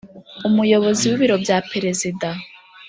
Umuyobozi w Ibiro bya Perezida